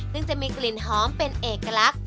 ซึ่งจะมีกลิ่นหอมเป็นเอกลักษณ์